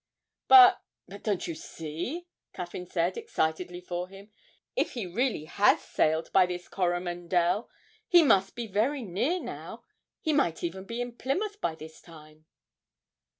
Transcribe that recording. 'But but don't you see?' Caffyn said, excitedly for him, 'if he really has sailed by this "Coromandel," he must be very near now. He might even be in Plymouth by this time.'